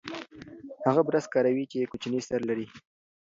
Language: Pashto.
هغه برس کاروي چې کوچنی سر لري.